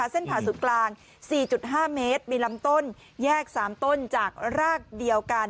เส้นผ่าศูนย์กลาง๔๕เมตรมีลำต้นแยก๓ต้นจากรากเดียวกัน